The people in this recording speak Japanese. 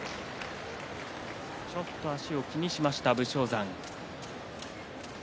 ちょっと足を気にしました武将山。